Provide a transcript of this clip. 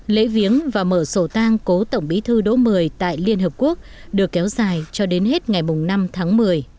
lễ viếng và mở sổ tang cố tổng bí thư đỗ một mươi tại liên hợp quốc được kéo dài cho đến hết ngày năm tháng một mươi